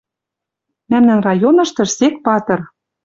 «Мӓмнӓн районыштыш сек патыр —